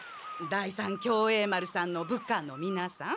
第三協栄丸さんの部下のみなさん。